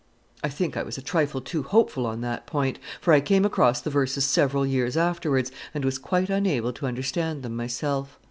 I think I was a trifle too hopeful on that point; for I came across the verses several years afterwards, and was quite unable to understand them myself.